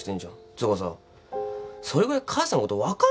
つうかさそれぐらい母さんのこと分かるでしょ。